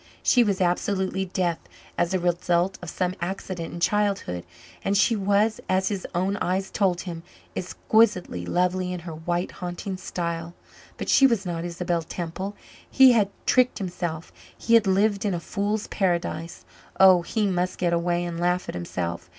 She was absolutely deaf as the result of some accident in childhood, and she was, as his own eyes told him, exquisitely lovely in her white, haunting style. But she was not Isabel Temple; he had tricked himself he had lived in a fool's paradise oh, he must get away and laugh at himself.